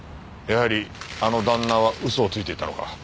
やはりあの旦那は嘘をついていたのか。